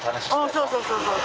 そうそうそうそう。